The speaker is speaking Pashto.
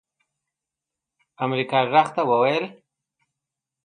امريکا غږ ته وويل